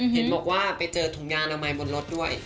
เห็นบอกว่าไปเจอถุงยางอนามัยบนรถด้วย